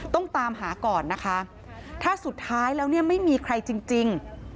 ต้องตามหาก่อนนะคะถ้าสุดท้ายแล้วเนี่ยไม่มีใครจริง